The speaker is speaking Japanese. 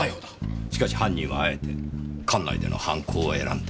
しかし犯人はあえて館内での犯行を選んだ。